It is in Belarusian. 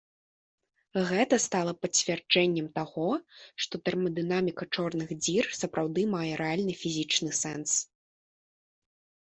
Гэта стала пацвярджэннем таго, што тэрмадынаміка чорных дзір сапраўды мае рэальны фізічны сэнс.